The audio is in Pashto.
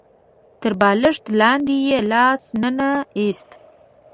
تر بالښت لاندې يې لاس ننه ايست.